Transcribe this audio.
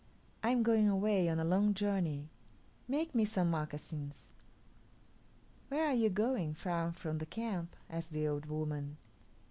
I am going away, on a long journey. Make me some moccasins." "Where are you going far from the camp?" asked the old woman.